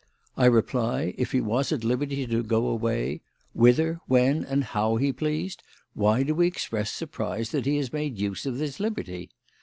I reply, if he was at liberty to go away, whither, when, and how he pleased, why do we express surprise that he has made use of his liberty?